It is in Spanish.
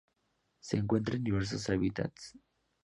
Se encuentran en diversos hábitats.